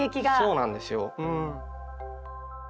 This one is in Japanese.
そうなんですようん。